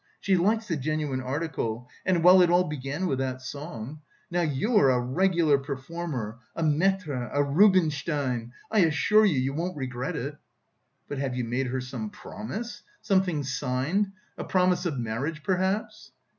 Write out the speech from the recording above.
She likes the genuine article and well, it all began with that song; Now you're a regular performer, a maître, a Rubinstein.... I assure you, you won't regret it!" "But have you made her some promise? Something signed? A promise of marriage, perhaps?"